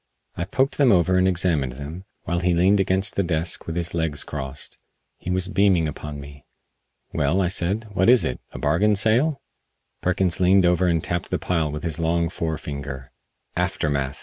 I poked them over and examined them, while he leaned against the desk with his legs crossed. He was beaming upon me. "Well," I said, "what is it a bargain sale?" Perkins leaned over and tapped the pile with his long fore finger. "Aftermath!"